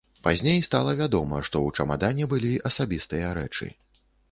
Пазней стала вядома, што ў чамадане былі асабістыя рэчы.